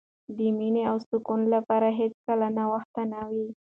د مینې او سکون لپاره هېڅکله ناوخته نه وي.